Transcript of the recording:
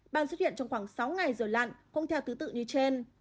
ban xuất hiện trong khoảng sáu ngày rồi lặn cũng theo thứ tự như trên